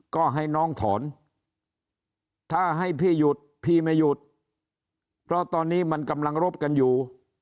ก็ให้น้องถอนถ้าให้พี่หยุดพี่ไม่หยุดเพราะตอนนี้มันกำลังรบกันอยู่